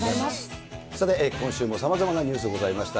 さて、今週もさまざまなニュースございました。